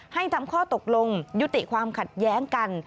ให้ทำข้อตกลงยุติความขัดแย้งกัน